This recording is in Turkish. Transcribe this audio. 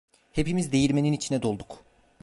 Hepimiz değirmenin içine dolduk.